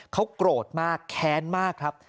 เขาโกรธมากแค้นมากครับ